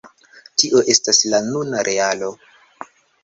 tio estas la nuna realo.